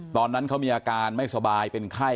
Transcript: ตอนนั้นเขามีอาการไม่สบายเป็นไข้